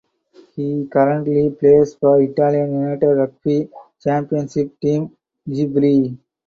He currently plays for Italian United Rugby Championship team Zebre.